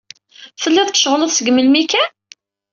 Tellid tceɣled seg melmi kan?